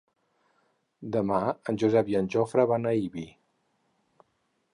Demà en Josep i en Jofre van a Ibi.